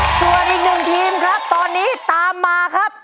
ส่วนอีกหนึ่งทีมครับตอนนี้ตามมาครับ